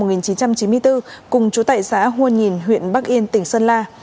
vàng xeo vư sinh năm một nghìn chín trăm chín mươi bốn cùng chú tại xã huôn nhìn huyện bắc yên tỉnh sơn la